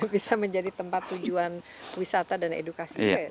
bisa menjadi tempat tujuan wisata dan edukasi juga